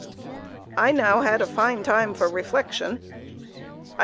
I had now a fine time for reflection.